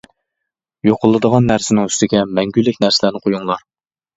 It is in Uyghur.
يوقىلىدىغان نەرسىنىڭ ئۈستىگە مەڭگۈلۈك نەرسىنى قويۇڭلار.